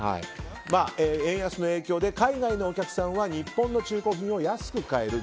円安の影響で海外のお客さんは日本の中古品を安く買える。